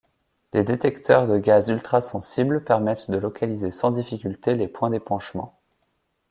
Des détecteurs de gaz ultra sensibles permettent de localiser sans difficulté les points d'épanchement.